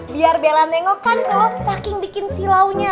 biar bela nengok kan kalau saking bikin silaunya